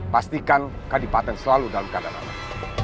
pastikan kanjeng adipati selalu dalam keadaan aman